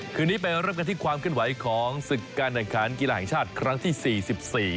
คืนนี้ไปเรียบรับกันที่ความขึ้นไว้ของศึกษ์การไนการ์กีฬาห่างชาติครั้งที่๔๔